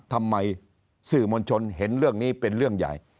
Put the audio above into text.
ทำไมสื่อมวลชนเห็นเรื่องนี้เป็นเรื่องใหญ่